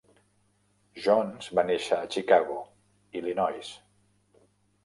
Jones va néixer a Chicago, Illinois.